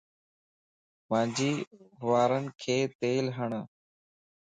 مانجي وارينکَ تيل ھڻ